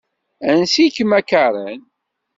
Ansi-kem a Karen?